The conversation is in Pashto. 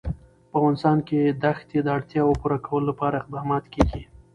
په افغانستان کې د ښتې د اړتیاوو پوره کولو لپاره اقدامات کېږي.